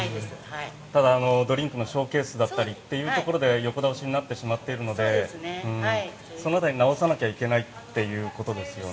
ただ、ドリンクのショーケースだったりというところで横倒しになってしまっているのでその辺り、直さなきゃいけないということですよね。